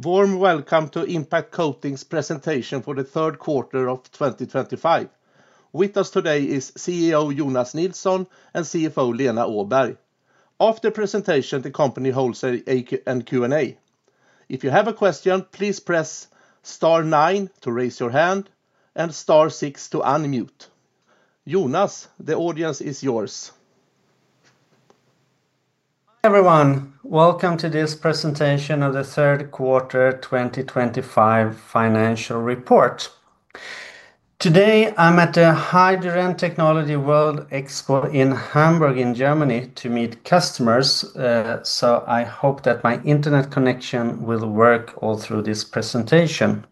Warm welcome to Impact Coatings' presentation for the third quarter of 2025. With us today is CEO Jonas Nilsson and CFO Lena Åberg. After the presentation, the company holds a Q&A. If you have a question, please press star nine to raise your hand and star six to unmute. Jonas, the audience is yours. Hi everyone, welcome to this presentation of the third quarter 2025 financial report. Today, I'm at the Hydrogen Technology World Expo in Hamburg in Germany to meet customers, so I hope that my internet connection will work all through this presentation.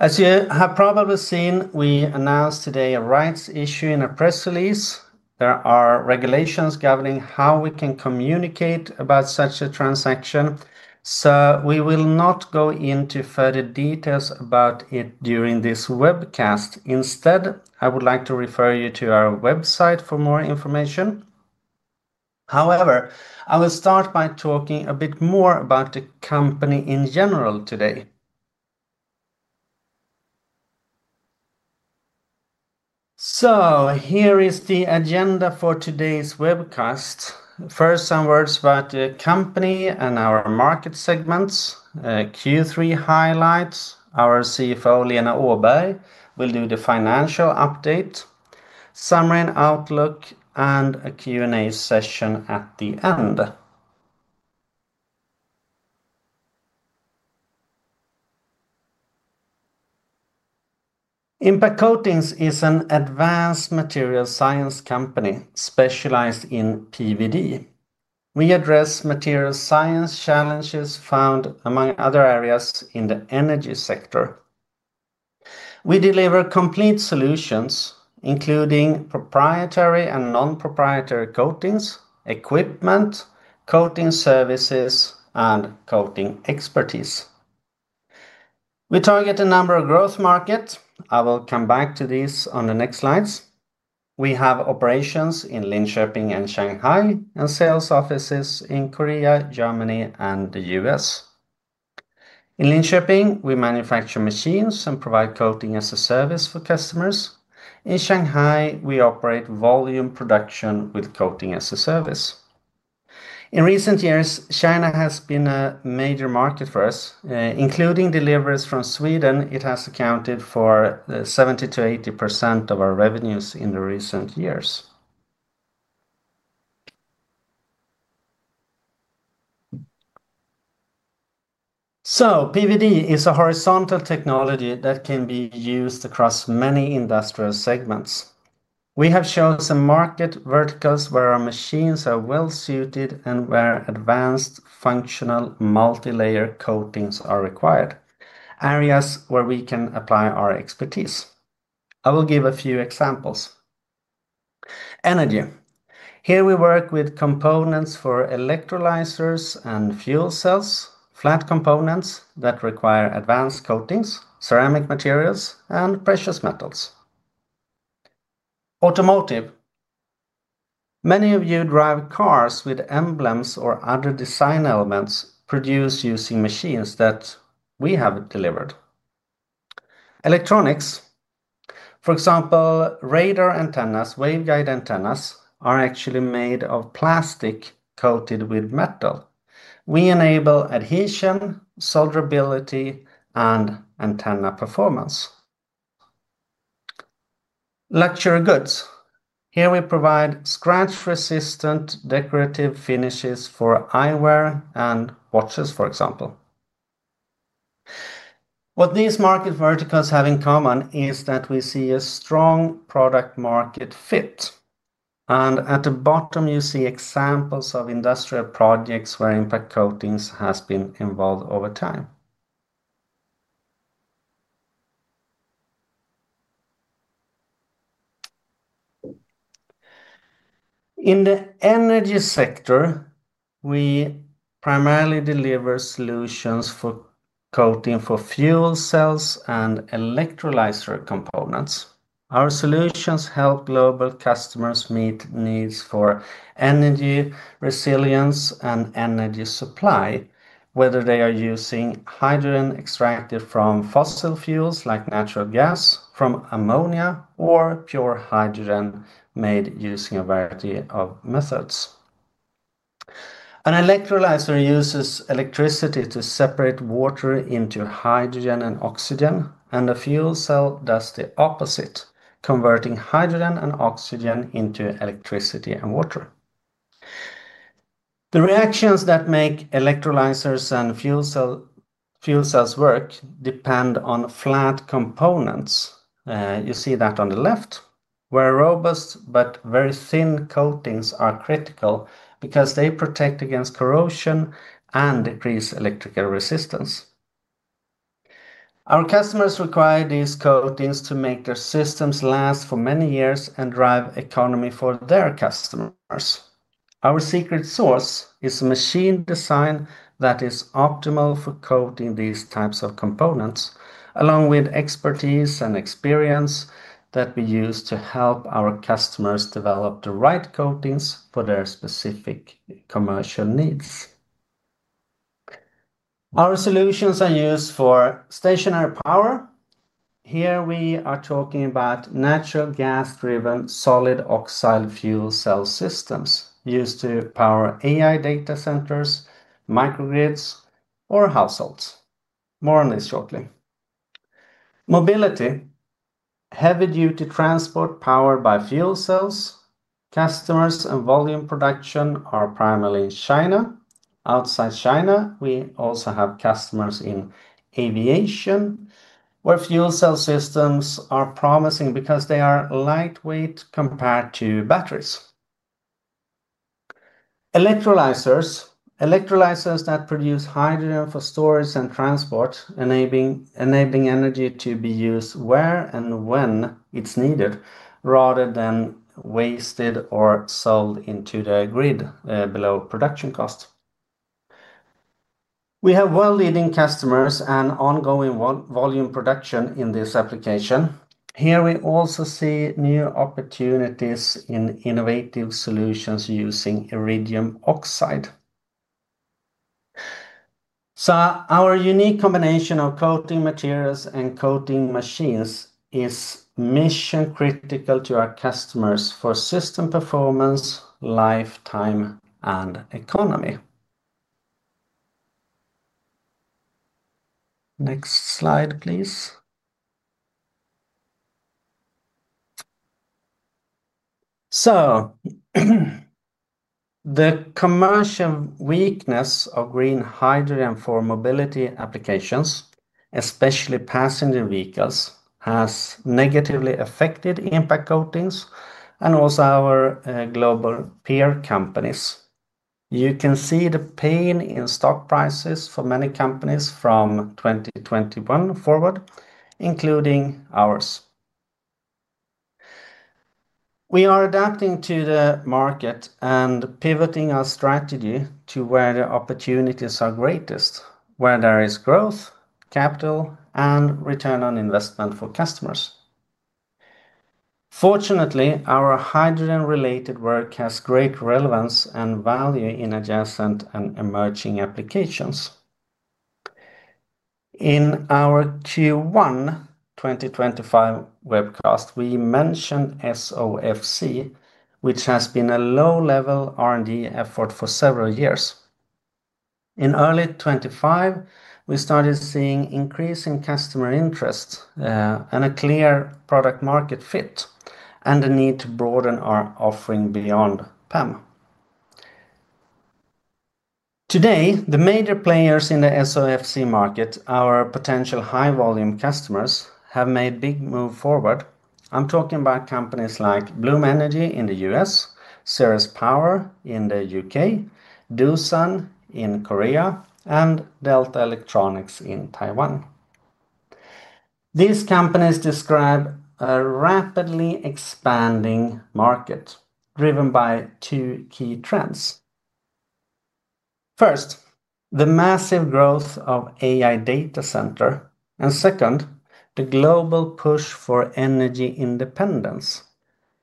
As you have probably seen, we announced today a rights issue in a press release. There are regulations governing how we can communicate about such a transaction, so we will not go into further details about it during this webcast. Instead, I would like to refer you to our website for more information. However, I will start by talking a bit more about the company in general today. Here is the agenda for today's webcast. First, some words about the company and our market segments. Q3 highlights, our CFO, Lena Åberg, will do the financial update, summary and outlook, and a Q&A session at the end. Impact Coatings is an advanced materials science company specialized in PVD. We address materials science challenges found among other areas in the energy sector. We deliver complete solutions, including proprietary and non-proprietary coatings, equipment, coating services, and coating expertise. We target a number of growth markets. I will come back to this on the next slides. We have operations in Linköping and Shanghai, and sales offices in Korea, Germany, and the U.S. In Linköping, we manufacture machines and provide coating as a service for customers. In Shanghai, we operate volume production with coating as a service. In recent years, China has been a major market for us. Including deliveries from Sweden, it has accounted for 70%-80% of our revenues in the recent years. PVD is a horizontal technology that can be used across many industrial segments. We have chosen market verticals where our machines are well suited and where advanced functional multi-layer coatings are required, areas where we can apply our expertise. I will give a few examples. Energy. Here we work with components for electrolysers and fuel cells, flat components that require advanced coatings, ceramic materials, and precious metals. Automotive. Many of you drive cars with emblems or other design elements produced using machines that we have delivered. Electronics. For example, radar antennas, waveguide antennas are actually made of plastic coated with metal. We enable adhesion, solderability, and antenna performance. Luxury goods. Here we provide scratch-resistant decorative finishes for eyewear and watches, for example. What these market verticals have in common is that we see a strong product market fit. At the bottom, you see examples of industrial projects where Impact Coatings has been involved over time. In the energy sector, we primarily deliver solutions for coating for fuel cells and electrolyser components. Our solutions help global customers meet needs for energy resilience and energy supply, whether they are using hydrogen extracted from fossil fuels like natural gas, from ammonia, or pure hydrogen made using a variety of methods. An electrolyser uses electricity to separate water into hydrogen and oxygen, and a fuel cell does the opposite, converting hydrogen and oxygen into electricity and water. The reactions that make electrolysers and fuel cells work depend on flat components. You see that on the left, where robust but very thin coatings are critical because they protect against corrosion and decrease electrical resistance. Our customers require these coatings to make their systems last for many years and drive economy for their customers. Our secret sauce is a machine design that is optimal for coating these types of components, along with expertise and experience that we use to help our customers develop the right coatings for their specific commercial needs. Our solutions are used for stationary power. Here we are talking about natural gas-driven solid oxide fuel cell systems used to power AI data centers, microgrids, or households. More on this shortly. Mobility. Heavy-duty transport powered by fuel cells. Customers and volume production are primarily in China. Outside China, we also have customers in aviation, where fuel cell systems are promising because they are lightweight compared to batteries. Electrolysers. Electrolysers that produce hydrogen for storage and transport, enabling energy to be used where and when it's needed, rather than wasted or sold into the grid below production cost. We have world-leading customers and ongoing volume production in this application. Here we also see new opportunities in innovative solutions using iridium oxide. Our unique combination of coating materials and coating machines is mission-critical to our customers for system performance, lifetime, and economy. Next slide, please. The commercial weakness of green hydrogen for mobility applications, especially passenger vehicles, has negatively affected Impact Coatings and also our global peer companies. You can see the pain in stock prices for many companies from 2021 forward, including ours. We are adapting to the market and pivoting our strategy to where the opportunities are greatest, where there is growth, capital, and return on investment for customers. Fortunately, our hydrogen-related work has great relevance and value in adjacent and emerging applications. In our Q1 2025 webcast, we mentioned SOFC, which has been a low-level R&D effort for several years. In early 2025, we started seeing increasing customer interest and a clear product market fit and the need to broaden our offering beyond PEM. Today, the major players in the SOFC market, our potential high-volume customers, have made a big move forward. I'm talking about companies like Bloom Energy in the U.S., Ceres Power in the U.K., Doosan in Korea, and Delta Electronics in Taiwan. These companies describe a rapidly expanding market driven by two key trends. First, the massive growth of AI data centers, and second, the global push for energy independence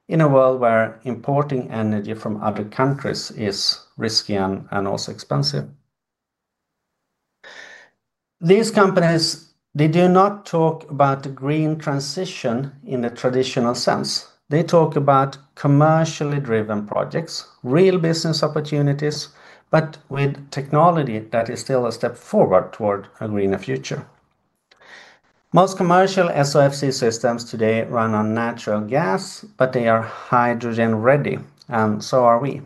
in a world where importing energy from other countries is risky and also expensive. These companies, they do not talk about the green transition in the traditional sense. They talk about commercially driven projects, real business opportunities, but with technology that is still a step forward toward a greener future. Most commercial SOFC systems today run on natural gas, but they are hydrogen-ready, and so are we.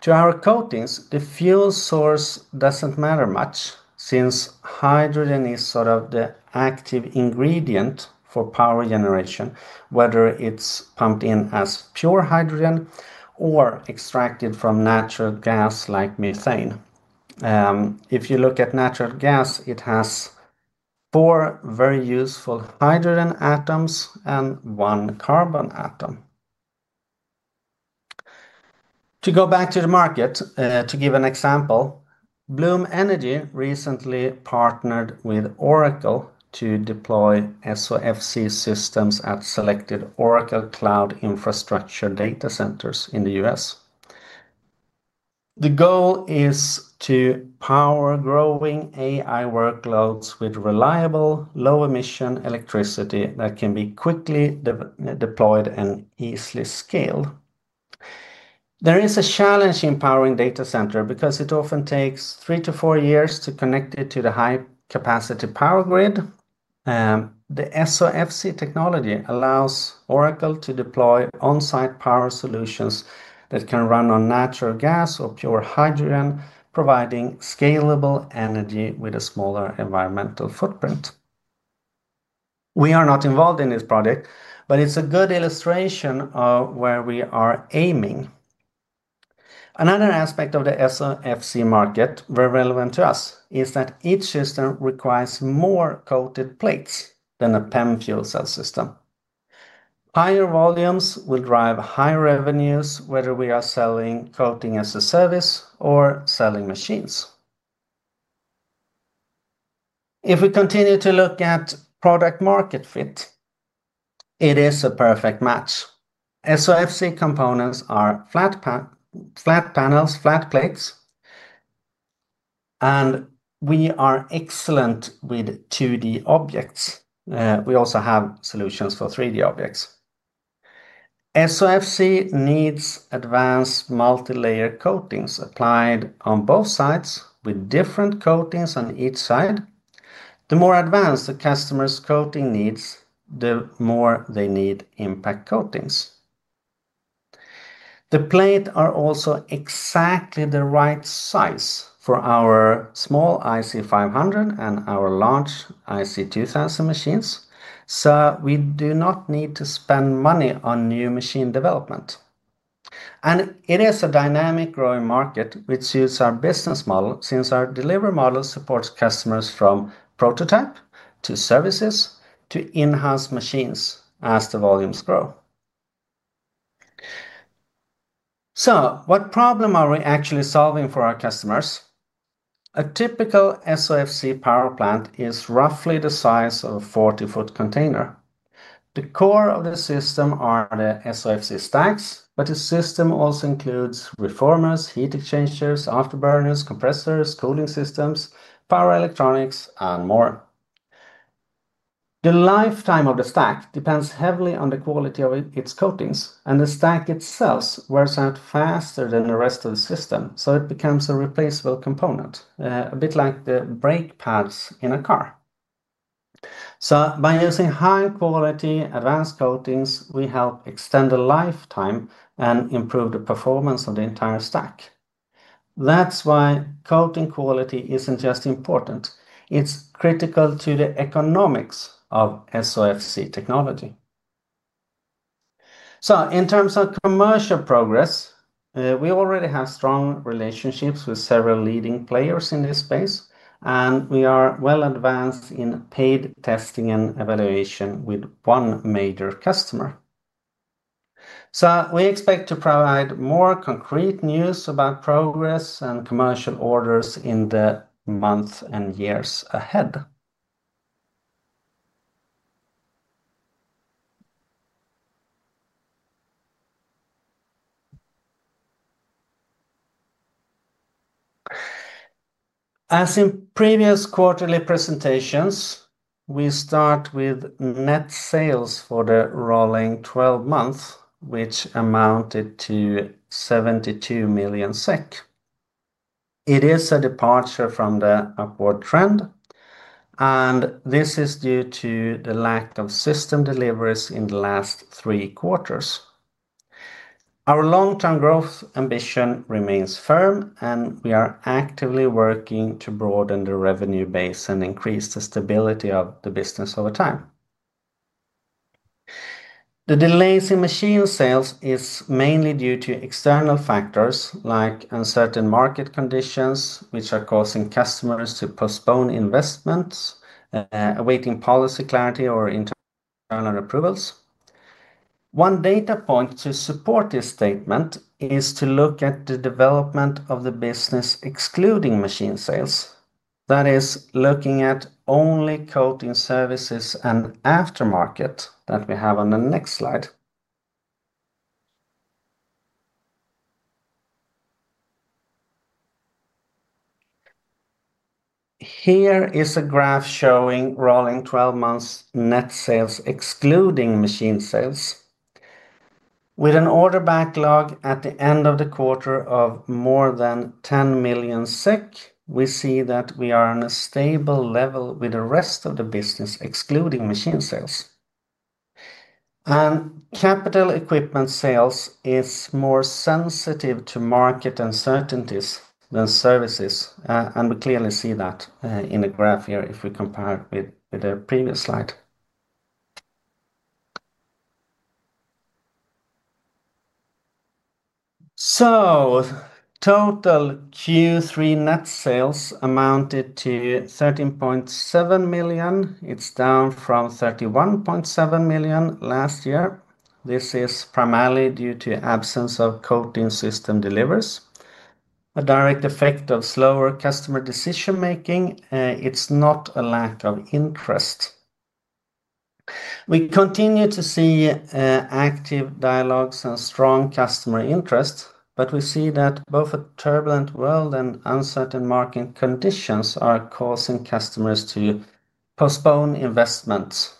To our coatings, the fuel source doesn't matter much since hydrogen is sort of the active ingredient for power generation, whether it's pumped in as pure hydrogen or extracted from natural gas like methane. If you look at natural gas, it has four very useful hydrogen atoms and one carbon atom. To go back to the market, to give an example, Bloom Energy recently partnered with Oracle to deploy SOFC systems at selected Oracle Cloud Infrastructure data centers in the U.S. The goal is to power growing AI workloads with reliable, low-emission electricity that can be quickly deployed and easily scaled. There is a challenge in powering a data center because it often takes three to four years to connect it to the high-capacity power grid. The SOFC technology allows Oracle to deploy on-site power solutions that can run on natural gas or pure hydrogen, providing scalable energy with a smaller environmental footprint. We are not involved in this project, but it's a good illustration of where we are aiming. Another aspect of the SOFC market, very relevant to us, is that each system requires more coated plates than a PEM fuel cell system. Higher volumes will drive higher revenues, whether we are selling coating as a service or selling machines. If we continue to look at product market fit, it is a perfect match. SOFC components are flat panels, flat plates, and we are excellent with 2D objects. We also have solutions for 3D objects. SOFC needs advanced multi-layer coatings applied on both sides with different coatings on each side. The more advanced the customer's coating needs, the more they need Impact Coatings. The plates are also exactly the right size for our small IC500 and our large IC2000 machines, so we do not need to spend money on new machine development. It is a dynamic growing market which suits our business model since our delivery model supports customers from prototype to services to in-house machines as the volumes grow. What problem are we actually solving for our customers? A typical SOFC power plant is roughly the size of a 40-foot container. The core of the system are the SOFC stacks, but the system also includes reformers, heat exchangers, afterburners, compressors, cooling systems, power electronics, and more. The lifetime of the stack depends heavily on the quality of its coatings, and the stack itself wears out faster than the rest of the system, so it becomes a replaceable component, a bit like the brake pads in a car. By using high-quality advanced coatings, we help extend the lifetime and improve the performance of the entire stack. That's why coating quality isn't just important. It's critical to the economics of SOFC technology. In terms of commercial progress, we already have strong relationships with several leading players in this space, and we are well advanced in paid testing and evaluation with one major customer. We expect to provide more concrete news about progress and commercial orders in the months and years ahead. As in previous quarterly presentations, we start with net sales for the rolling 12 months, which amounted to 72 million SEK. It is a departure from the upward trend, and this is due to the lack of system deliveries in the last three quarters. Our long-term growth ambition remains firm, and we are actively working to broaden the revenue base and increase the stability of the business over time. The delays in machine sales are mainly due to external factors like uncertain market conditions, which are causing customers to postpone investments, awaiting policy clarity or internal approvals. One data point to support this statement is to look at the development of the business excluding machine sales. That is, looking at only coating services and aftermarket that we have on the next slide. Here is a graph showing rolling 12 months net sales excluding machine sales. With an order backlog at the end of the quarter of more than 10 million SEK, we see that we are on a stable level with the rest of the business excluding machine sales. Capital equipment sales are more sensitive to market uncertainties than services, and we clearly see that in the graph here if we compare it with the previous slide. Total Q3 net sales amounted to 13.7 million. It's down from 31.7 million last year. This is primarily due to the absence of coating system deliveries. A direct effect of slower customer decision-making, it's not a lack of interest. We continue to see active dialogues and strong customer interest, but we see that both a turbulent world and uncertain market conditions are causing customers to postpone investments.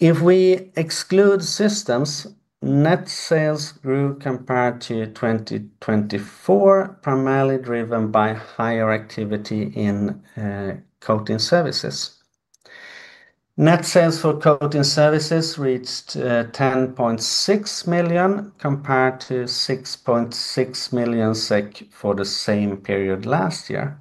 If we exclude systems, net sales grew compared to 2024, primarily driven by higher activity in coating services. Net sales for coating services reached 10.6 million compared to 6.6 million SEK for the same period last year.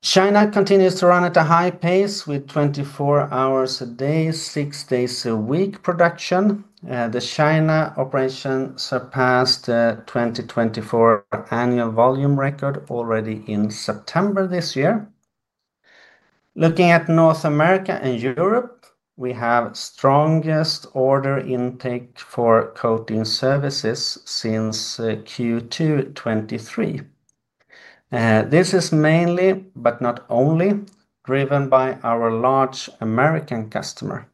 China continues to run at a high pace with 24 hours a day, six days a week production. The China operation surpassed the 2024 annual volume record already in September this year. Looking at North America and Europe, we have the strongest order intake for coating services since Q2 2023. This is mainly, but not only, driven by our large American customer.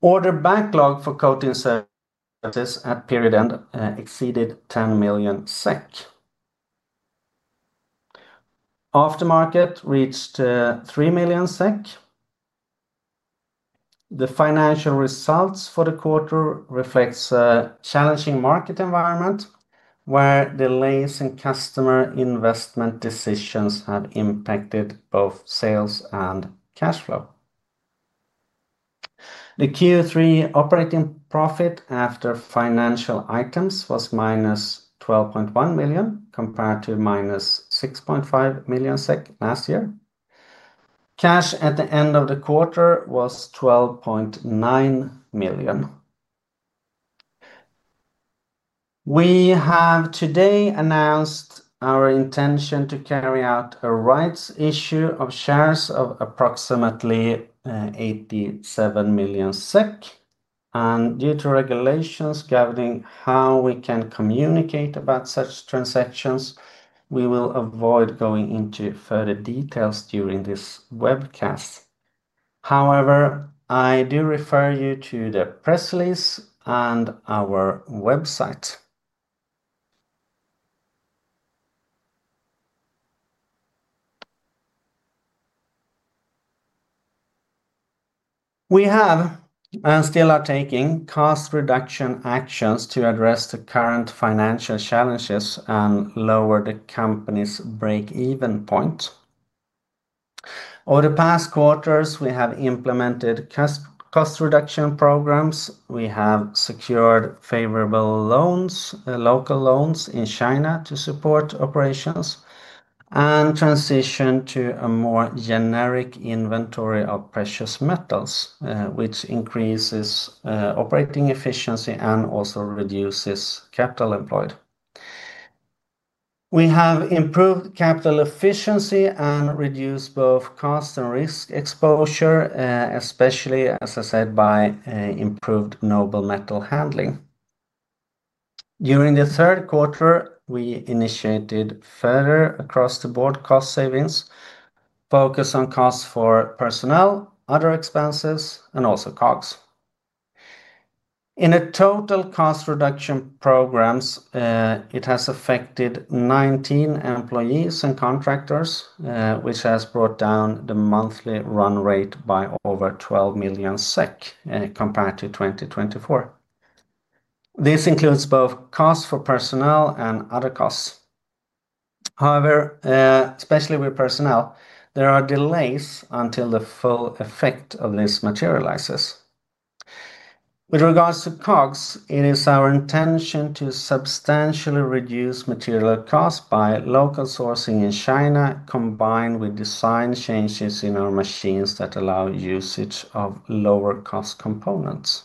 Order backlog for coating services at period end exceeded 10 million SEK. Aftermarket reached 3 million SEK. The financial results for the quarter reflect a challenging market environment where delays in customer investment decisions have impacted both sales and cash flow. The Q3 operating profit after financial items was -12.1 million compared to -6.5 million SEK last year. Cash at the end of the quarter was 12.9 million. We have today announced our intention to carry out a rights issue of shares of approximately 87 million SEK, and due to regulations governing how we can communicate about such transactions, we will avoid going into further details during this webcast. However, I do refer you to the press release and our website. We have, and still are taking, cost reduction actions to address the current financial challenges and lower the company's break-even point. Over the past quarters, we have implemented cost reduction programs. We have secured favorable loans, local loans in China to support operations, and transitioned to a more generic inventory of precious metals, which increases operating efficiency and also reduces capital employed. We have improved capital efficiency and reduced both cost and risk exposure, especially, as I said, by improved noble metal handling. During the third quarter, we initiated further across-the-board cost savings, focused on costs for personnel, other expenses, and also COGS. In the total cost reduction programs, it has affected 19 employees and contractors, which has brought down the monthly run rate by over 12 million SEK compared to 2024. This includes both costs for personnel and other costs. However, especially with personnel, there are delays until the full effect of this materializes. With regards to COGS, it is our intention to substantially reduce material costs by local sourcing in China, combined with design changes in our machines that allow usage of lower-cost components.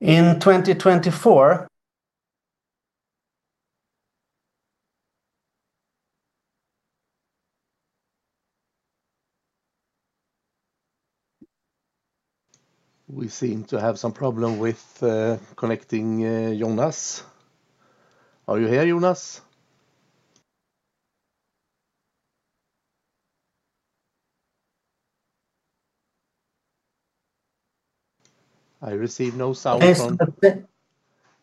In 2024... We seem to have some problem with connecting Jonas. Are you here, Jonas? I receive no sound.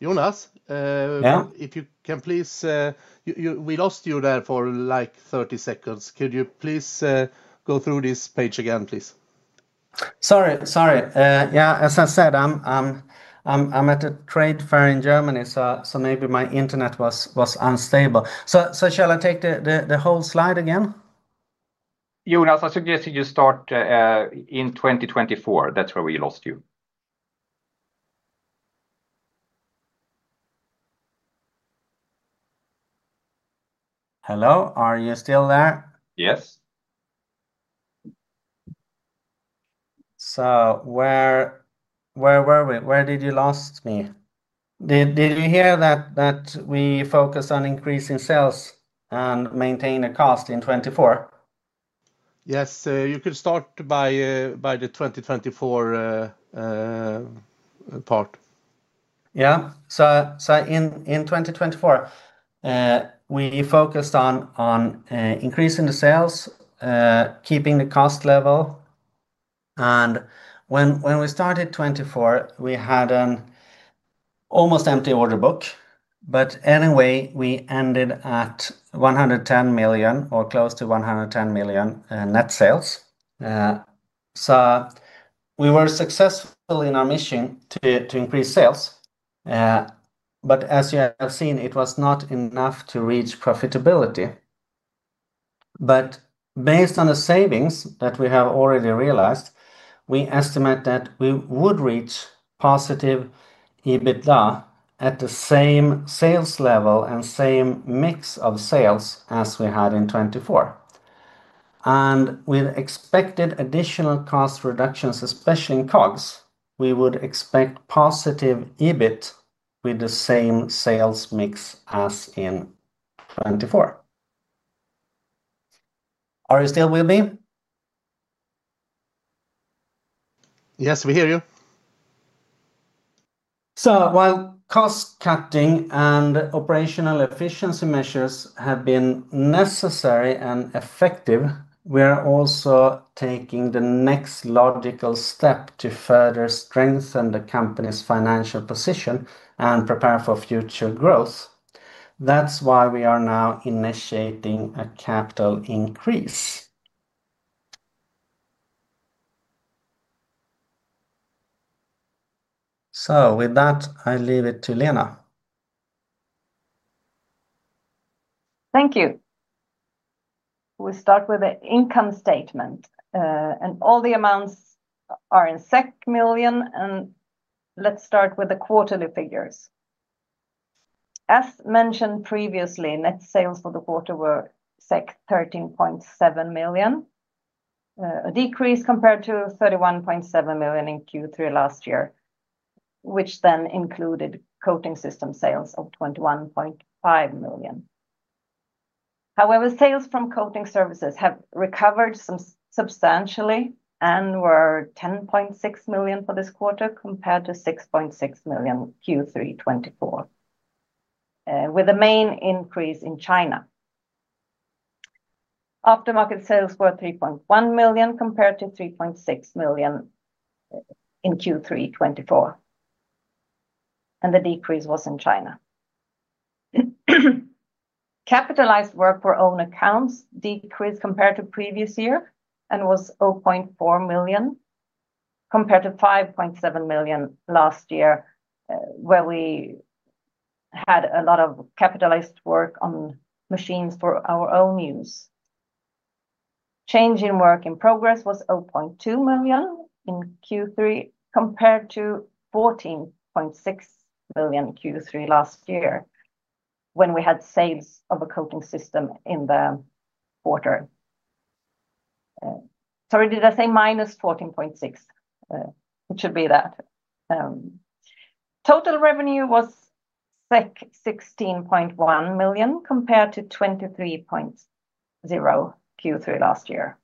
Jonas, if you can please... We lost you there for like 30 seconds. Could you please go through this page again, please? Sorry, sorry. Yeah, as I said, I'm at a trade fair in Germany, so maybe my internet was unstable. Shall I take the whole slide again? Jonas, I suggested you start in 2024. That's where we lost you. Hello, are you still there? Yes. Where did you lose me? Did you hear that we focus on increasing sales and maintaining the cost in 2024? Yes, you could start by the 2024 part. Yeah, so in 2024, we focused on increasing the sales, keeping the cost level, and when we started 2024, we had an almost empty order book, but anyway, we ended at 110 million or close to 110 million net sales. We were successful in our mission to increase sales, but as you have seen, it was not enough to reach profitability. Based on the savings that we have already realized, we estimate that we would reach positive EBITDA at the same sales level and same mix of sales as we had in 2024. With expected additional cost reductions, especially in COGS, we would expect positive EBIT with the same sales mix as in 2024. Are you still with me? Yes, we hear you. While cost cutting and operational efficiency measures have been necessary and effective, we are also taking the next logical step to further strengthen the company's financial position and prepare for future growth. That's why we are now initiating a capital increase. With that, I leave it to Lena. Thank you. We start with the income statement, and all the amounts are in million, and let's start with the quarterly figures. As mentioned previously, net sales for the quarter were 13.7 million, a decrease compared to 31.7 million in Q3 last year, which then included coating system sales of 21.5 million. However, sales from Coating Services have recovered substantially and were 10.6 million for this quarter compared to 6.6 million Q3 2024, with the main increase in China. Aftermarket Sales were 3.1 million compared to 3.6 million in Q3 2024, and the decrease was in China. Capitalized work for own accounts decreased compared to the previous year and was 0.4 million compared to 5.7 million last year, where we had a lot of capitalized work on machines for our own use. Change in work in progress was 0.2 million in Q3 compared to 14.6 million in Q3 last year, when we had sales of a coating system in the quarter. Sorry, did I say minus 14.6 million? It should be that. Total revenue was 16.1 million compared to 23.0 million Q3 last year.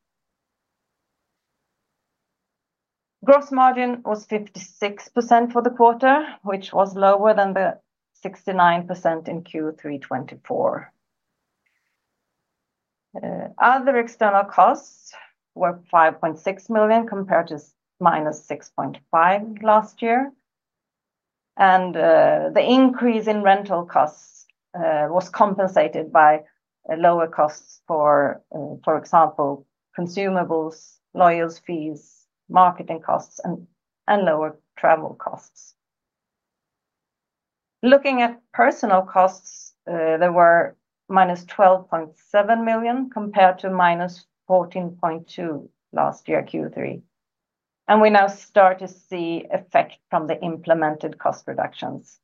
Gross margin was 56% for the quarter, which was lower than the 69% in Q3 2024. Other external costs were 5.6 million compared to 6.5 million last year, and the increase in rental costs was compensated by lower costs for, for example, consumables, lawyers' fees, marketing costs, and lower travel costs. Looking at personnel costs, they were 12.7 million compared to 14.2 million last year Q3, and we now start to see effect from the implemented cost reductions.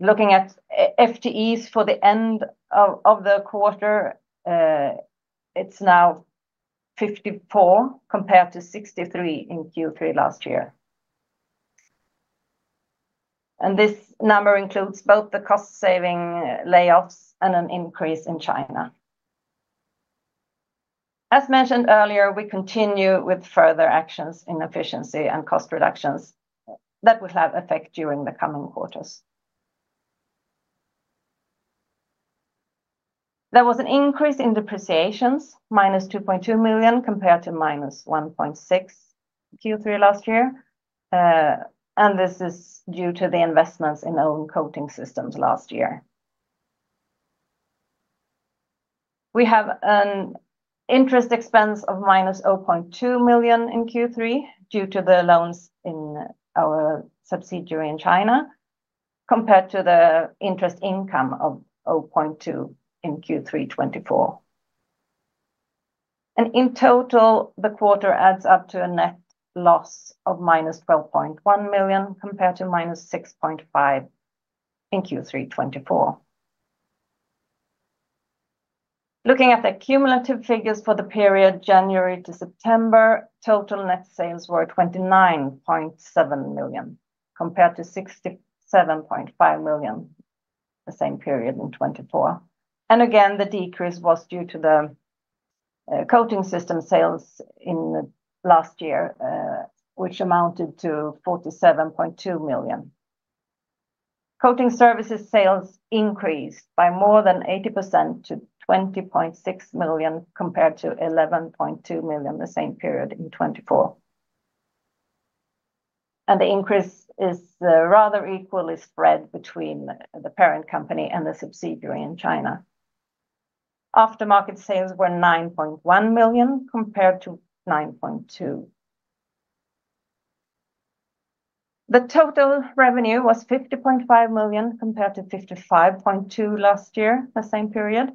Looking at FTEs for the end of the quarter, it's now 54 compared to 63 in Q3 last year, and this number includes both the cost-saving layoffs and an increase in China. As mentioned earlier, we continue with further actions in efficiency and cost reductions that will have effect during the coming quarters. There was an increase in depreciations, -2.2 million compared to -1.6 million Q3 last year, and this is due to the investments in own coating systems last year. We have an interest expense of -0.2 million in Q3 due to the loans in our subsidiary in China compared to the interest income of 0.2 million in Q3 2024, and in total, the quarter adds up to a net loss of -12.1 million compared to -6.5 million in Q3 2024. Looking at the cumulative figures for the period January to September, total net sales were 29.7 million compared to 67.5 million in the same period in 2024, and again, the decrease was due to the coating system sales in the last year, which amounted to 47.2 million. Coating services sales increased by more than 80% to 20.6 million compared to 11.2 million in the same period in 2024, and the increase is rather equally spread between the parent company and the subsidiary in China. Aftermarket sales were 9.1 million compared to 9.2 million. The total revenue was 50.5 million compared to 55.2 million last year in the same period.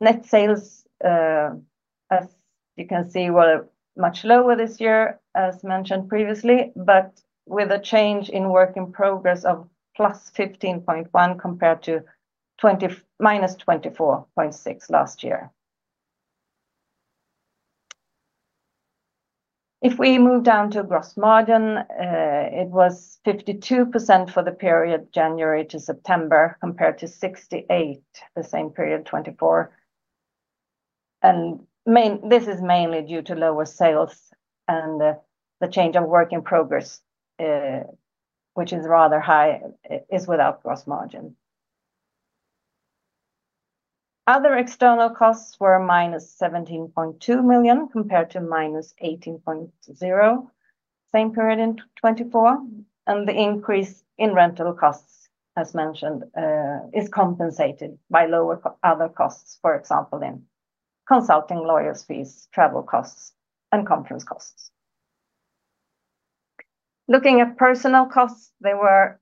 Net sales, as you can see, were much lower this year, as mentioned previously, but with a change in work in progress of +15.1 million compared to -24.6 million last year. If we move down to gross margin, it was 52% for the period January to September compared to 68% in the same period in 2024, and this is mainly due to lower sales and the change of work in progress, which is rather high, is without gross margin. Other external costs were -17.2 million compared to -18.0 million in the same period in 2024, and the increase in rental costs, as mentioned, is compensated by lower other costs, for example, in consulting lawyers' fees, travel costs, and conference costs. Looking at personnel costs, they were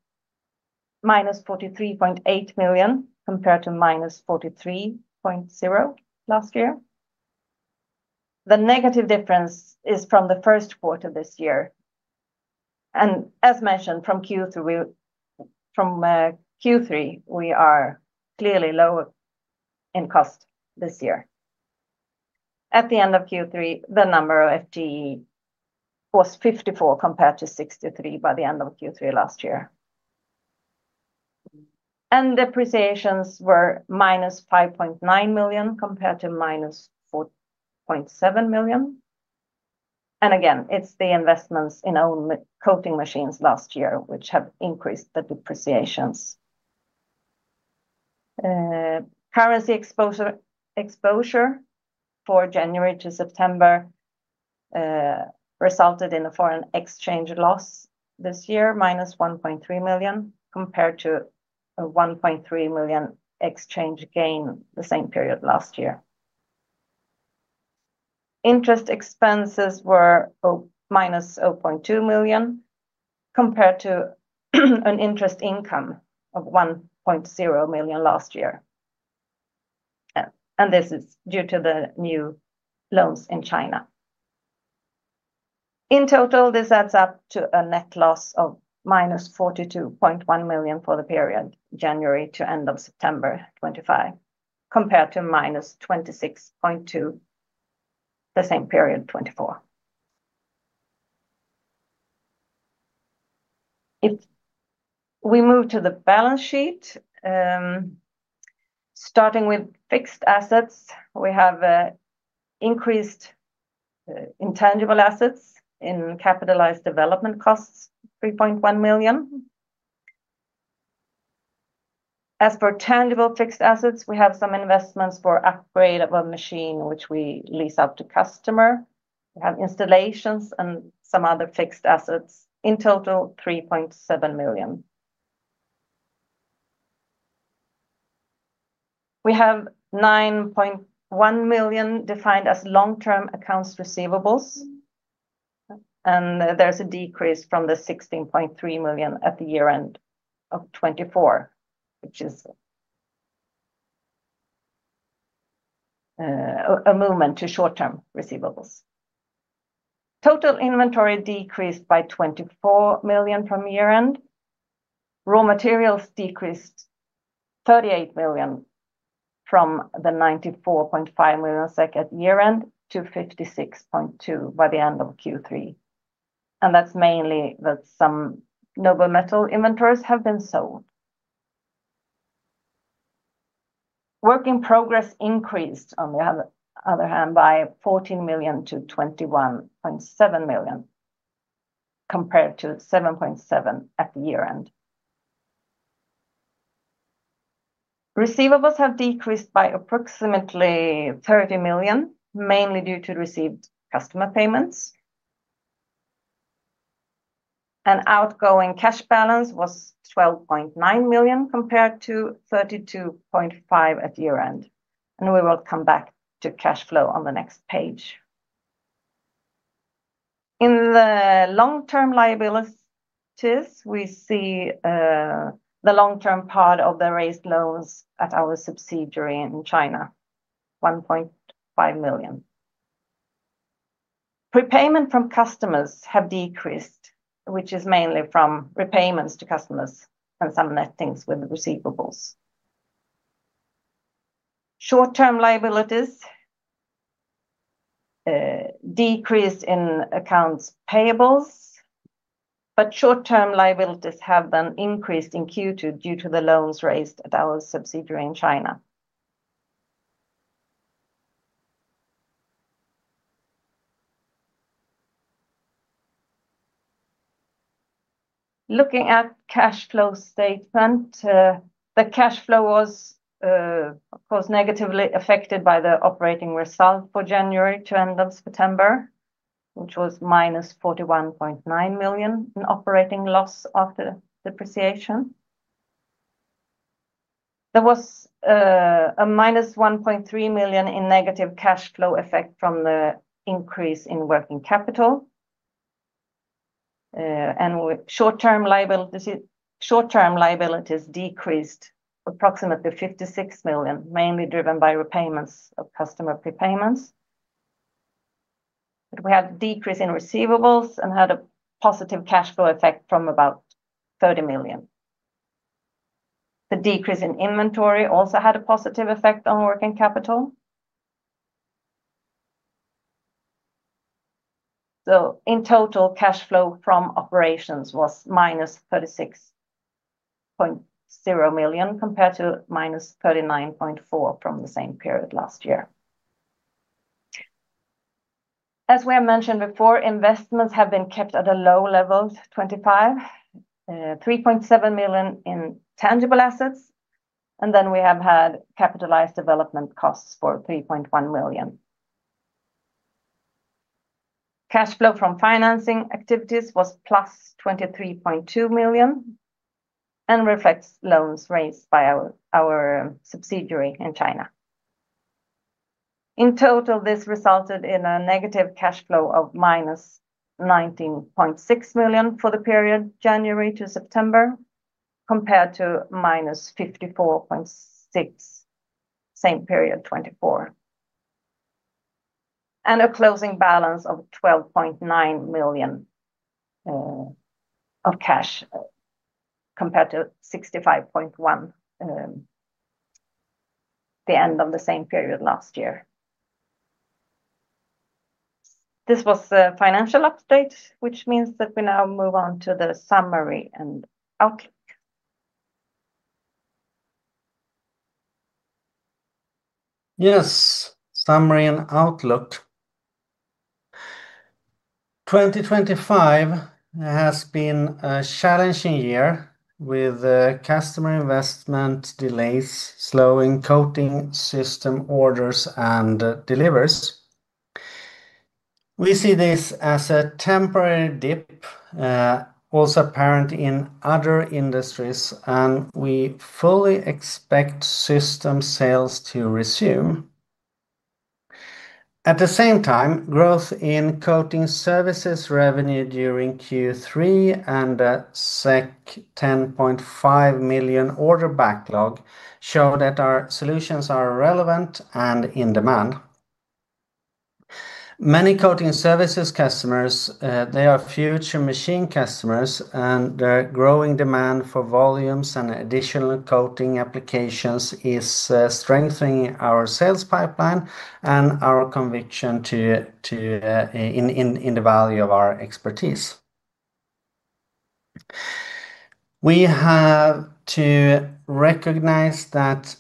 -43.8 million compared to -43.0 million last year. The negative difference is from the first quarter of this year, and as mentioned, from Q3, we are clearly lower in cost this year. At the end of Q3, the number of FTEs was 54 compared to 63 by the end of Q3 last year, and depreciations were -5.9 million compared to -4.7 million, and again, it's the investments in own coating machines last year, which have increased the depreciations. Currency exposure for January to September resulted in a foreign exchange loss this year, -1.3 million compared to a 1.3 million exchange gain in the same period last year. Interest expenses were -0.2 million compared to an interest income of 1.0 million last year, and this is due to the new loans in China. In total, this adds up to a net loss of -42.1 million for the period January to end of September 2025, compared to -26.2 million in the same period in 2024. If we move to the balance sheet, starting with fixed assets, we have increased intangible assets in capitalized development costs, SEK 3.1 million. As for tangible fixed assets, we have some investments for upgrade of a machine, which we lease out to customers. We have installations and some other fixed assets. In total, 3.7 million. We have 9.1 million defined as long-term accounts receivables, and there's a decrease from the 16.3 million at the year-end of 2024, which is a movement to short-term receivables. Total inventory decreased by 24 million from year-end. Raw materials decreased 38 million from the 94.5 million SEK at year-end to 56.2 million by the end of Q3, and that's mainly that some noble metal inventories have been sold. Work in progress increased, on the other hand, by 14 million-21.7 million compared to 7.7 million at the year-end. Receivables have decreased by approximately 30 million, mainly due to received customer payments. An outgoing cash balance was 12.9 million compared to 32.5 million at year-end, and we will come back to cash flow on the next page. In the long-term liabilities, we see the long-term part of the raised loans at our subsidiary in China, 1.5 million. Prepayment from customers has decreased, which is mainly from repayments to customers and some nettings with receivables. Short-term liabilities decreased in accounts payables, but short-term liabilities have then increased in Q2 due to the loans raised at our subsidiary in China. Looking at the cash flow statement, the cash flow was, of course, negatively affected by the operating result for January to end of September, which was -41.9 million in operating loss after depreciation. There was a -1.3 million in negative cash flow effect from the increase in working capital, and short-term liabilities decreased approximately 56 million, mainly driven by repayments of customer prepayments. We had a decrease in receivables and had a positive cash flow effect from about 30 million. The decrease in inventory also had a positive effect on working capital. In total, cash flow from operations was -36.0 million compared to -39.4 million from the same period last year. As we have mentioned before, investments have been kept at a low level in 2025, 3.7 million in tangible assets, and then we have had capitalized development costs for 3.1 million. Cash flow from financing activities was plus 23.2 million and reflects loans raised by our subsidiary in China. In total, this resulted in a negative cash flow of -19.6 million for the period January to September compared to -54.6 million in the same period in 2023, and a closing balance of 12.9 million of cash compared to 65.1 million at the end of the same period last year. This was the financial update, which means that we now move on to the summary and outlook. Yes, summary and outlook. 2025 has been a challenging year with customer investment delays, slowing coating system orders and deliveries. We see this as a temporary dip, also apparent in other industries, and we fully expect system sales to resume. At the same time, growth in coating services revenue during Q3 and a 10.5 million order backlog show that our solutions are relevant and in demand. Many coating services customers, they are future machine customers, and the growing demand for volumes and additional coating applications is strengthening our sales pipeline and our conviction in the value of our expertise. We have to recognize that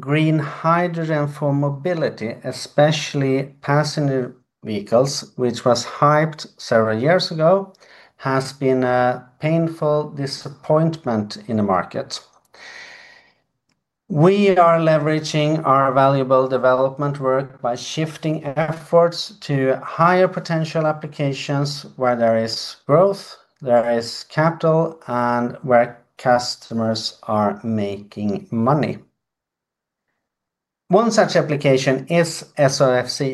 green hydrogen for mobility, especially passenger vehicles, which was hyped several years ago, has been a painful disappointment in the market. We are leveraging our valuable development work by shifting efforts to higher potential applications where there is growth, there is capital, and where customers are making money. One such application is SOFC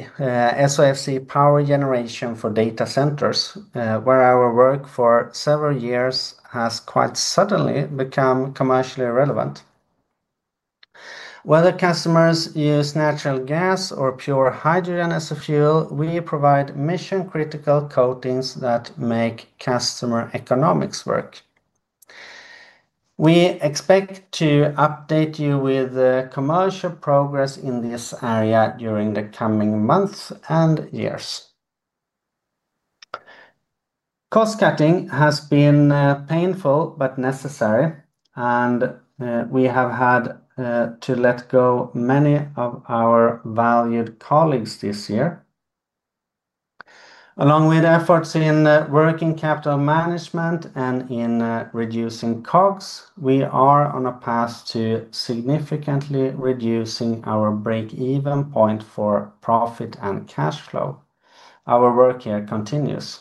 power generation for data centers, where our work for several years has quite suddenly become commercially relevant. Whether customers use natural gas or pure hydrogen as a fuel, we provide mission-critical coatings that make customer economics work. We expect to update you with the commercial progress in this area during the coming months and years. Cost cutting has been painful but necessary, and we have had to let go of many of our valued colleagues this year. Along with efforts in working capital management and in reducing COGS, we are on a path to significantly reducing our break-even point for profit and cash flow. Our work here continues.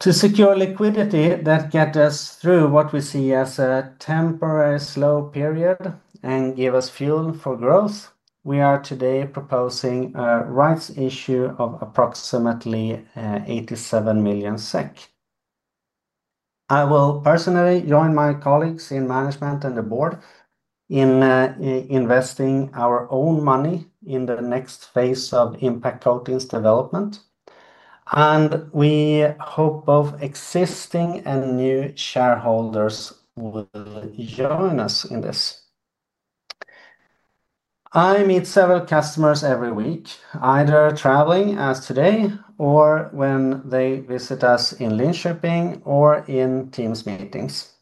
To secure liquidity that gets us through what we see as a temporary slow period and gives us fuel for growth, we are today proposing a rights issue of approximately 87 million SEK. I will personally join my colleagues in management and the board in investing our own money in the next phase of Impact Coatings development, and we hope both existing and new shareholders will join us in this. I meet several customers every week, either traveling as today or when they visit us in Linköping or in Teams meetings.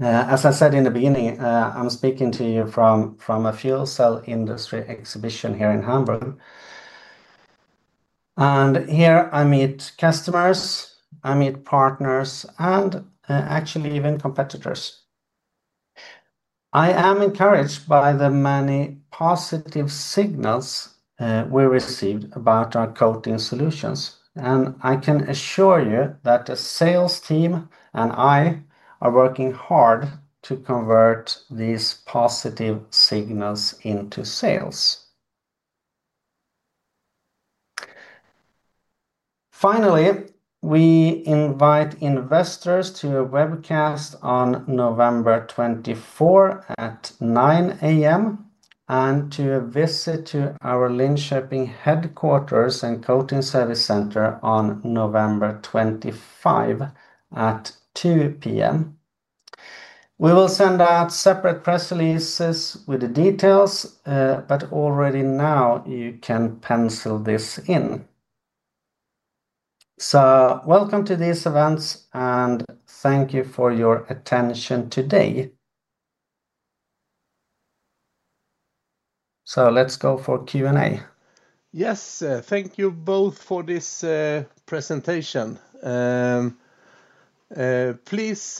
As I said in the beginning, I'm speaking to you from a fuel cell industry exhibition here in Hamburg, and here I meet customers, I meet partners, and actually even competitors. I am encouraged by the many positive signals we received about our coating solutions, and I can assure you that the sales team and I are working hard to convert these positive signals into sales. Finally, we invite investors to a webcast on November 24 at 9:00 A.M. and to a visit to our Linköping headquarters and coating service center on November 25 at 2:00 P.M. We will send out separate press releases with the details, but already now you can pencil this in. Welcome to these events, and thank you for your attention today. Let's go for Q&A. Yes, thank you both for this presentation. Please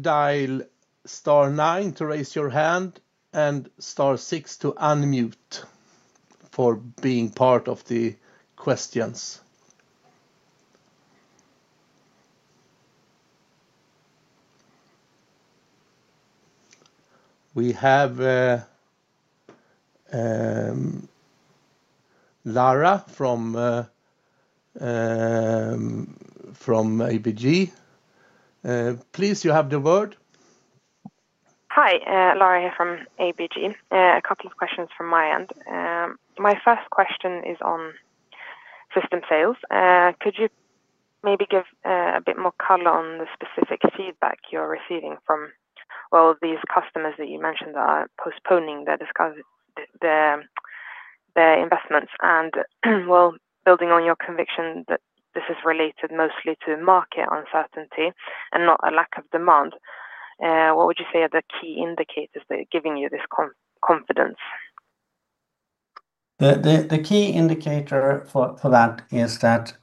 dial star nine to raise your hand and star six to unmute for being part of the questions. We have Lara from ABG. Please, you have the word. Hi, Lara here from ABG. A couple of questions from my end. My first question is on system sales. Could you maybe give a bit more color on the specific feedback you're receiving from these customers that you mentioned that are postponing their investments? Building on your conviction that this is related mostly to market uncertainty and not a lack of demand, what would you say are the key indicators that are giving you this confidence? The key indicator for that is that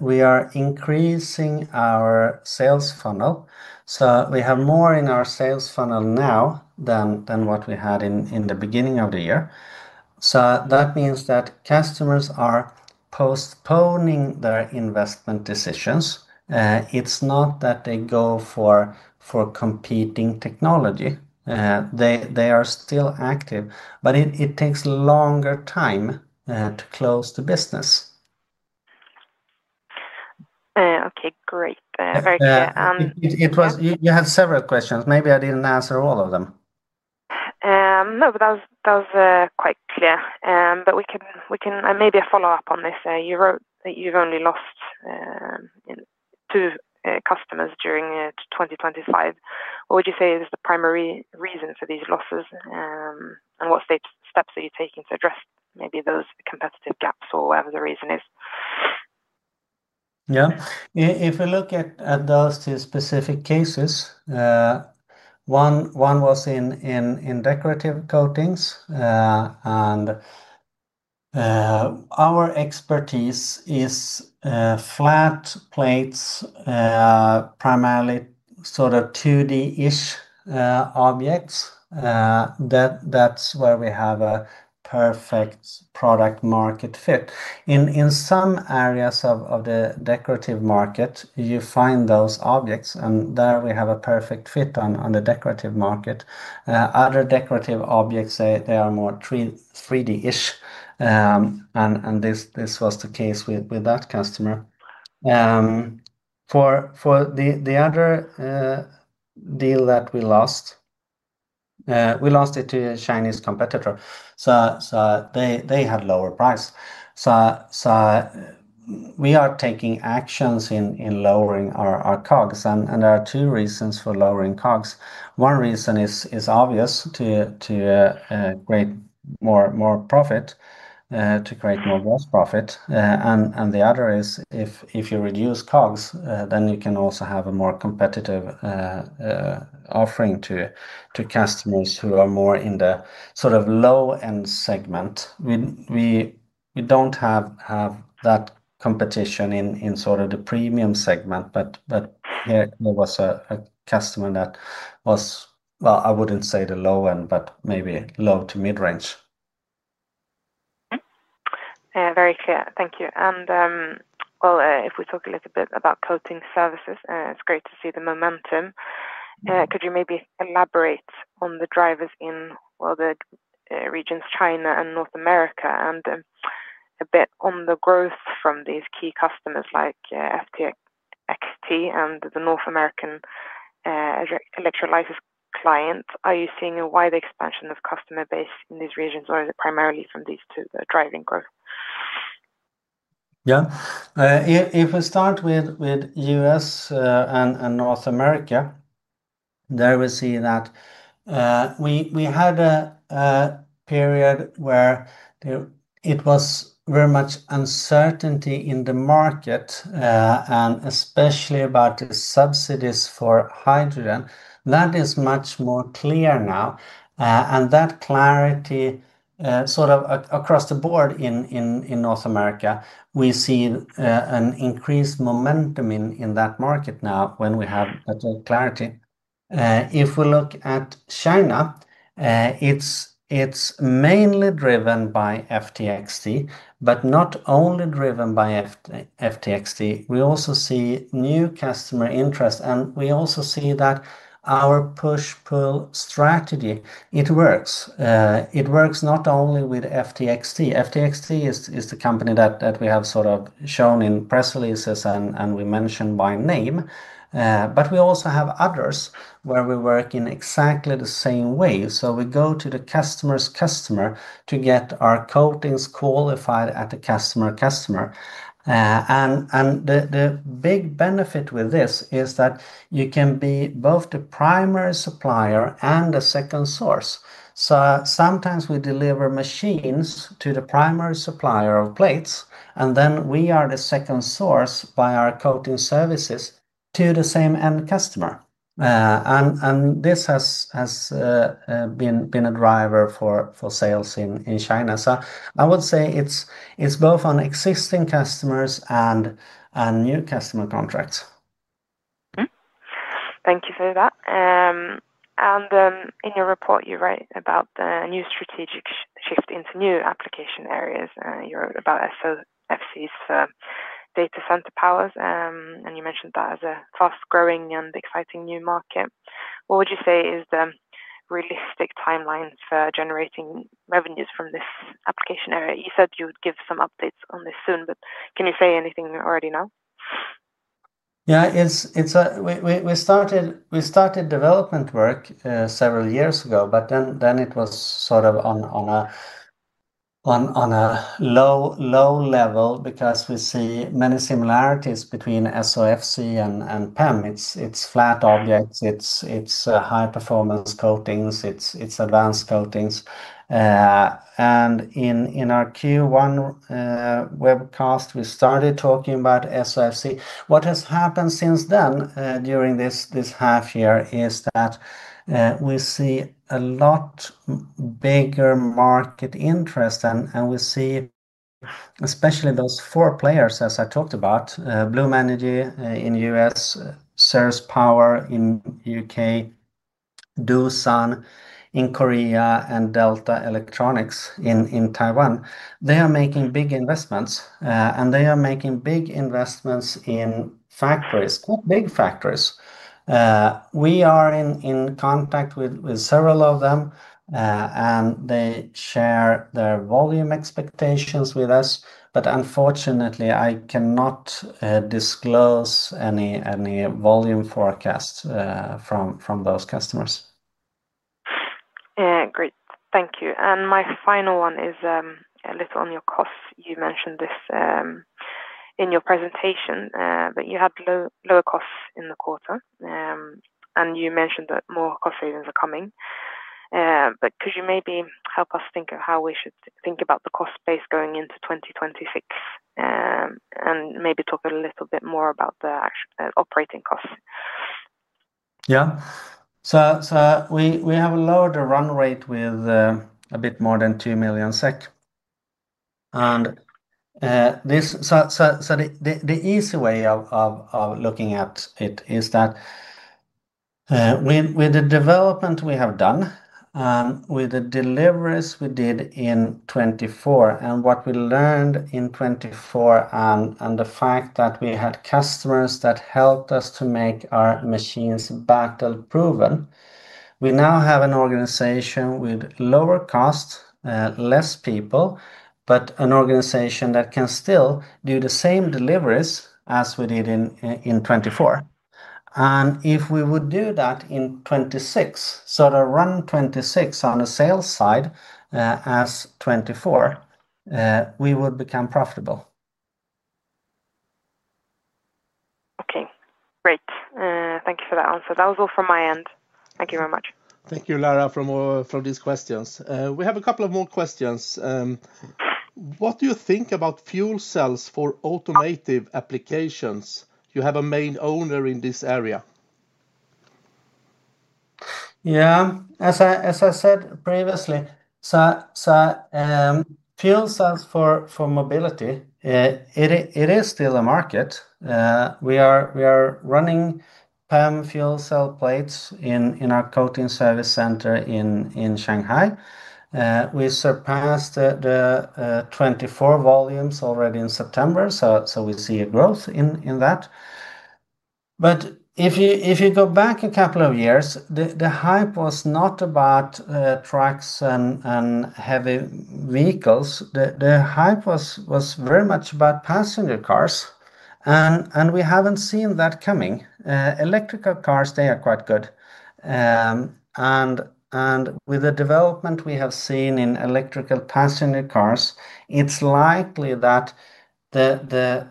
we are increasing our sales funnel. We have more in our sales funnel now than what we had in the beginning of the year. That means that customers are postponing their investment decisions. It's not that they go for competing technology. They are still active, but it takes a longer time to close the business. Okay, great. You had several questions. Maybe I didn't answer all of them. No, that was quite clear. We can maybe follow up on this. You wrote that you've only lost two customers during 2025. What would you say is the primary reason for these losses, and what steps are you taking to address maybe those competitive gaps or whatever the reason is? Yeah, if we look at those two specific cases, one was in decorative coatings, and our expertise is flat plates, primarily sort of 2D-ish objects. That's where we have a perfect product-market fit. In some areas of the decorative market, you find those objects, and there we have a perfect fit on the decorative market. Other decorative objects, they are more 3D-ish, and this was the case with that customer. For the other deal that we lost, we lost it to a Chinese competitor. They had a lower price. We are taking actions in lowering our COGS, and there are two reasons for lowering COGS. One reason is obvious: to create more profit, to create more gross profit, and the other is if you reduce COGS, then you can also have a more competitive offering to customers who are more in the sort of low-end segment. We don't have that competition in sort of the premium segment, but there was a customer that was, I wouldn't say the low end, but maybe low to mid-range. Very clear. Thank you. If we talk a little bit about Coating Services, it's great to see the momentum. Could you maybe elaborate on the drivers in the regions of China and North America, and a bit on the growth from these key customers like FTXT and the North American electrolysis clients? Are you seeing a wide expansion of customer base in these regions, or is it primarily from these two driving growth? Yeah, if we start with the U.S. and North America, there we see that we had a period where it was very much uncertainty in the market, and especially about the subsidies for hydrogen. That is much more clear now, and that clarity sort of across the board in North America, we see an increased momentum in that market now when we have better clarity. If we look at China, it's mainly driven by FTXT, but not only driven by FTXT. We also see new customer interest, and we also see that our push-pull strategy, it works. It works not only with FTXT. FTXT is the company that we have sort of shown in press releases, and we mentioned by name, but we also have others where we work in exactly the same way. We go to the customer's customer to get our coatings qualified at the customer's customer. The big benefit with this is that you can be both the primary supplier and the second source. Sometimes we deliver machines to the primary supplier of plates, and then we are the second source by our coating services to the same end customer. This has been a driver for sales in China. I would say it's both on existing customers and new customer contracts. Thank you for that. In your report, you write about the new strategic shift into new application areas. You wrote about SOFC's data center powers, and you mentioned that as a fast-growing and exciting new market. What would you say is the realistic timeline for generating revenues from this application area? You said you would give some updates on this soon, but can you say anything you already know? Yeah, we started development work several years ago, but then it was sort of on a low level because we see many similarities between SOFC and PEM. It's flat objects, it's high-performance coatings, it's advanced coatings. In our Q1 webcast, we started talking about SOFC. What has happened since then during this half year is that we see a lot bigger market interest, and we see especially those four players, as I talked about: Bloom Energy in the U.S., Ceres Power in the UK, Doosan in Korea, and Delta Electronics in Taiwan. They are making big investments, and they are making big investments in factories, big factories. We are in contact with several of them, and they share their volume expectations with us, but unfortunately, I cannot disclose any volume forecasts from those customers. Great, thank you. My final one is a little on your costs. You mentioned this in your presentation, you had lower costs in the quarter, and you mentioned that more cost savings are coming. Could you maybe help us think of how we should think about the cost base going into 2026, and maybe talk a little bit more about the operating costs? Yeah, we have a lower run rate with a bit more than 2 million SEK. The easy way of looking at it is that with the development we have done, with the deliveries we did in 2024, and what we learned in 2024, and the fact that we had customers that helped us to make our machines battle-proven, we now have an organization with lower costs, less people, but an organization that can still do the same deliveries as we did in 2024. If we would do that in 2026, sort of run 2026 on the sales side as 2024, we would become profitable. Okay, great. Thank you for that answer. That was all from my end. Thank you very much. Thank you, Lara, for these questions. We have a couple of more questions. What do you think about fuel cells for automotive applications? You have a main owner in this area. Yeah, as I said previously, fuel cells for mobility, it is still a market. We are running PEM fuel cell plates in our coating service center in Shanghai. We surpassed the 24 volumes already in September, so we see a growth in that. If you go back a couple of years, the hype was not about trucks and heavy vehicles. The hype was very much about passenger cars, and we haven't seen that coming. Electrical cars, they are quite good. With the development we have seen in electrical passenger cars, it's likely that the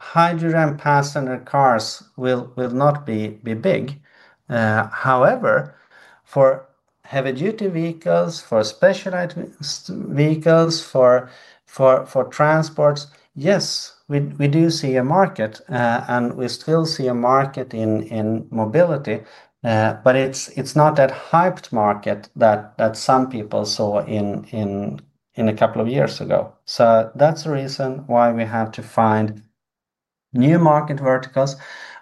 hydrogen passenger cars will not be big. However, for heavy-duty vehicles, for specialized vehicles, for transports, yes, we do see a market, and we still see a market in mobility, but it's not that hyped market that some people saw a couple of years ago. That's the reason why we have to find new market verticals,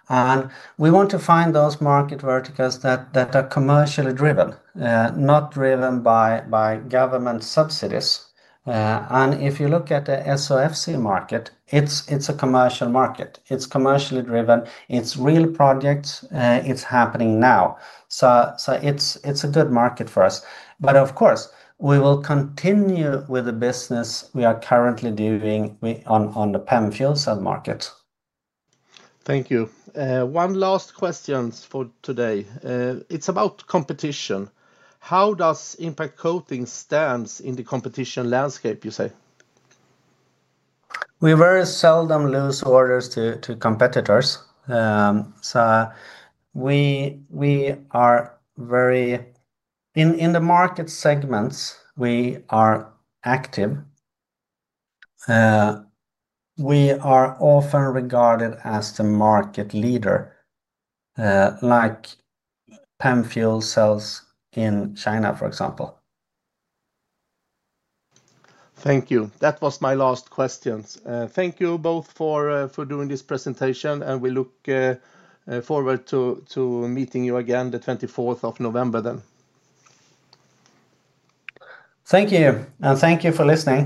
and we want to find those market verticals that are commercially driven, not driven by government subsidies. If you look at the SOFC market, it's a commercial market. It's commercially driven. It's real projects. It's happening now. It's a good market for us. Of course, we will continue with the business we are currently doing on the PEM fuel cell market. Thank you. One last question for today. It's about competition. How does Impact Coatings stand in the competition landscape, you say? We very seldom lose orders to competitors. We are very, in the market segments we are active, we are often regarded as the market leader, like PEM fuel cells in China, for example. Thank you. That was my last question. Thank you both for doing this presentation, and we look forward to meeting you again the 24th of November. Thank you, and thank you for listening.